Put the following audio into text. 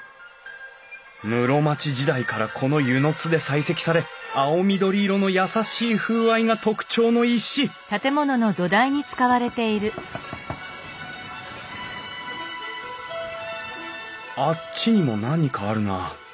室町時代からこの温泉津で採石され青緑色の優しい風合いが特徴の石あっちにも何かあるな。